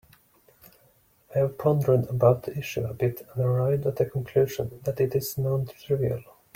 I have pondered about the issue a bit and arrived at the conclusion that it is non-trivial.